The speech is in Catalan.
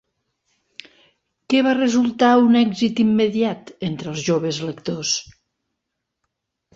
Què va resultar un èxit immediat entre els joves lectors?